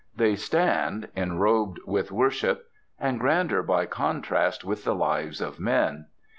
They stand, enrobed with worship, and grander by contrast with the lives of men.